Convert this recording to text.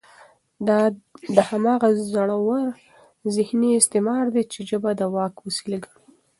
دا هماغه زوړ ذهني استعمار دی، چې ژبه د واک وسیله ګڼي